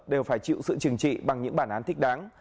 đều phải chịu sự trừng trị bằng những bản án thích đáng